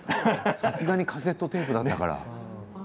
さすがにカセットテープだったから。